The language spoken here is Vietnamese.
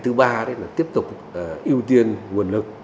thứ ba là tiếp tục ưu tiên nguồn lực